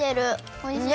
おいしい！